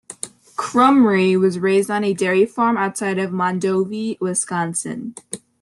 Krumrie was raised on a dairy farm outside of Mondovi, Wisconsin.